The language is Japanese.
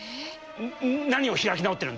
何を開き直ってるんだ？